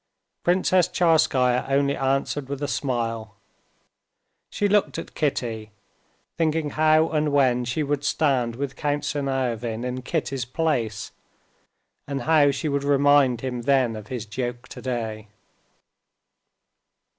Princess Tcharskaya only answered with a smile. She looked at Kitty, thinking how and when she would stand with Count Siniavin in Kitty's place, and how she would remind him then of his joke today.